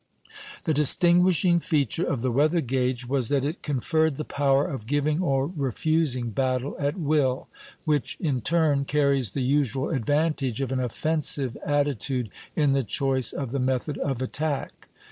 The distinguishing feature of the weather gage was that it conferred the power of giving or refusing battle at will, which in turn carries the usual advantage of an offensive attitude in the choice of the method of attack.